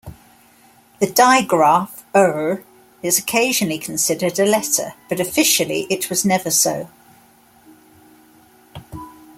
The digraph "rr" is occasionally considered a letter, but officially it was never so.